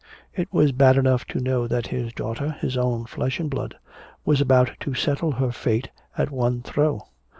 It was bad enough to know that his daughter, his own flesh and blood, was about to settle her fate at one throw.